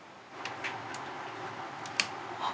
あっ。